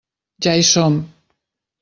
Ja hi som!